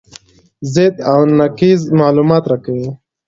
ضد او نقیض معلومات راکوي.